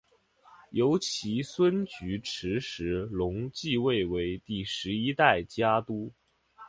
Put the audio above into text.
由其孙菊池时隆继位为第十一代家督。